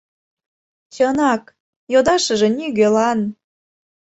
Чынак, йодашыже нигӧлан.